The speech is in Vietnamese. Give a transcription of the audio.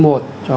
cho các đối tượng